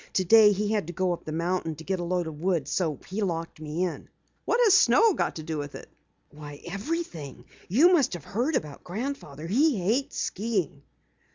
Today he had to go up the mountain to get a load of wood so he locked me in." "What has snow to do with it?" "Why, everything! You must have heard about Grandfather. He hates skiing."